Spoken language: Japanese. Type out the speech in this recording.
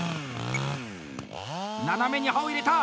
斜めに刃を入れた！